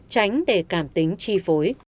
tránh để cảm tính chi phối